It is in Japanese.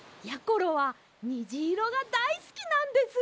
ころはにじいろがだいすきなんです。